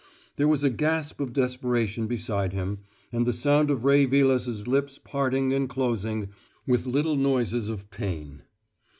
There was a gasp of desperation beside him, and the sound of Ray Vilas's lips parting and closing with little noises of pain.